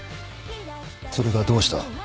それがどうした？